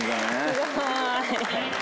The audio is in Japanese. すごい。